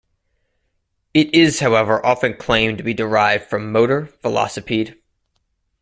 It is however often claimed to be derived from motor-velocipede.